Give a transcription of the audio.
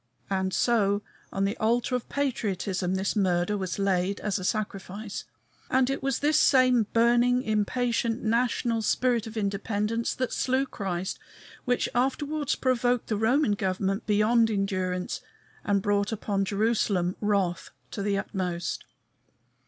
And so, on the altar of patriotism this murder was laid as a sacrifice. And it was this same burning, impatient national spirit of independence that slew Christ which afterwards provoked the Roman government beyond endurance, and brought upon Jerusalem wrath to the uttermost.